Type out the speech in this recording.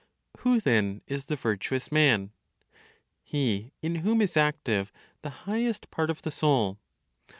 Who then is the virtuous man? He in whom is active the highest part of the soul.